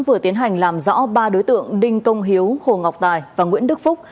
vừa tiến hành làm rõ ba đối tượng đinh công hiếu hồ ngọc tài và nguyễn đức phúc